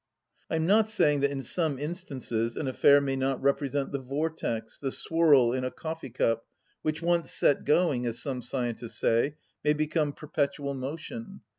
" I'm not saying that in some instances an affair may not represent the vortex, the swirl in a coffee cup, which once set going, as some scientists say, may become perpetual motion.